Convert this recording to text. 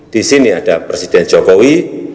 disini ada presiden jokowi